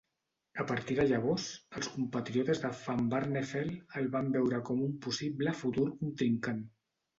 A partir de llavors, els compatriotes de Van Barneveld el van veure com un possible futur contrincant.